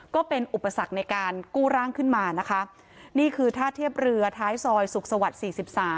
ก็เป็นอุปสรรคในการกู้ร่างขึ้นมานะคะนี่คือท่าเทียบเรือท้ายซอยสุขสวรรค์๔๓